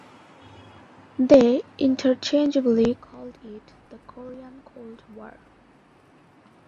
They interchangeably called it the "Korean Cold War".